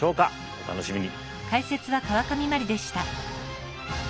お楽しみに。